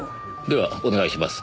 ではお願いします。